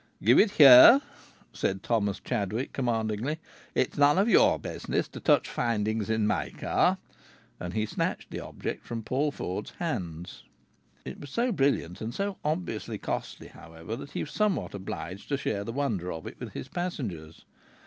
"Give it here," said Thomas Chadwick, commandingly. "It's none of your business to touch findings in my car;" and he snatched the object from Paul Ford's hands. It was so brilliant and so obviously costly, however, that he was somehow obliged to share the wonder of it with his passengers.